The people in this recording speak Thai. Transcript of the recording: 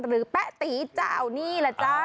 หรือแป๊ตีเจ้าหนี้ล่ะจ้า